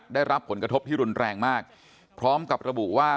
ได้รับผลกระทบที่รุนแรงมากพร้อมกับระบุว่า